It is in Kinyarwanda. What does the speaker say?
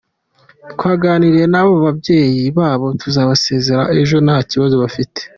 Twaganiriye na bo n’ababyeyi babo, tuzabasezera ejo nta kibazo bafite.